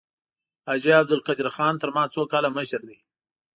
حاجي عبدالقدیر خان تر ما څو کاله مشر دی.